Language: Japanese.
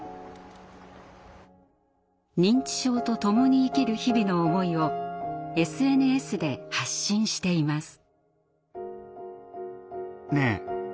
認知症とともに生きる日々の思いをＳＮＳで発信しています。